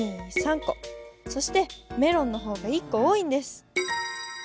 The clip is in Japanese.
そしてメロンの方が１こおおいんです。